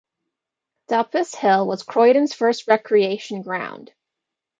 Duppas Hill was Croydon's first recreation ground.